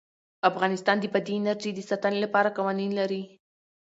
افغانستان د بادي انرژي د ساتنې لپاره قوانین لري.